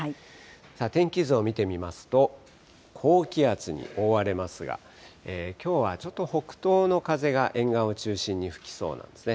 さあ、天気図を見てみますと、高気圧に覆われますが、きょうはちょっと北東の風が沿岸を中心に吹きそうなんですね。